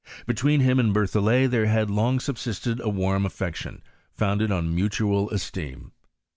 Between him and Berthollet there had long subsisted a warm affec tion, founded on mutual esteem.